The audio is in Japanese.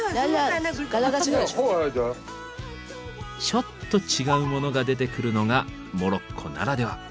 ちょっと違うモノが出てくるのがモロッコならでは。